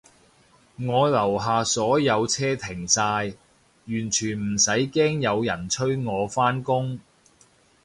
我樓下所有車停晒，完全唔使驚有人催我返工